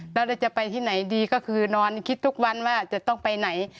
แล้วเราจะไปที่ไหนดีก็คือนอนคิดทุกวันว่าจะต้องไปไหน